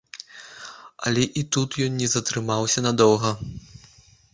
Але і тут ён не затрымаўся надоўга.